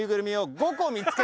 ５個？